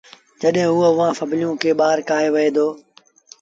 جڏهيݩٚ اوٚ اُئآݩٚ سڀنيٚوݩ کي ٻآهر ڪآهي وهي دو